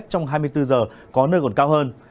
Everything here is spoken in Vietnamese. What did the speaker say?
trong hai mươi bốn giờ có nơi còn cao hơn